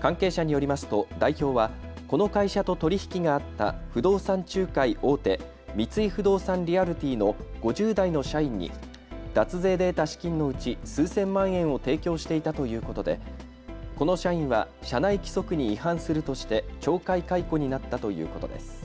関係者によりますと代表はこの会社と取り引きがあった不動産仲介大手、三井不動産リアルティの５０代の社員に脱税で得た資金のうち数千万円を提供していたということで、この社員は社内規則に違反するとして懲戒解雇になったということです。